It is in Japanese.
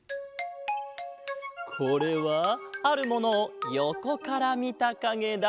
これはあるものをよこからみたかげだ。